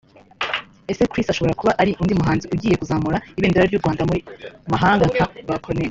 Eze Chris ashobora kuba ari undi muhanzi ugiye kuzamura ibendera ry’u Rwanda mu mahanga nka ba Corneille